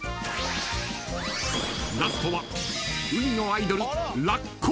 ［ラストは海のアイドル］